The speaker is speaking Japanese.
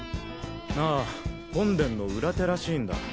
ああ本殿の裏手らしいんだ。